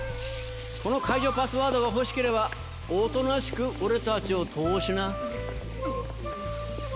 この解除パスワードが欲しければおとなしく俺たちを通しな。